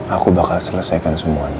aku bakal selesaikan semuanya